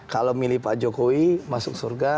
kalau milih pak jokowi masuk surga